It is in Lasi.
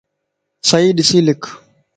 صحيح ڏسي لک